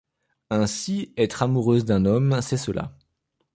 Ainsi, être amoureuse d’un homme, c’est cela.